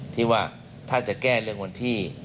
ที่ว่าถ้าจะแก้เรื่องวันที่